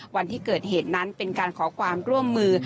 วันที่เกิดเหตุนั้นเป็นการขอความร่วมมือ